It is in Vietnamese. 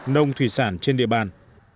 nông thủy sản trên địa bàn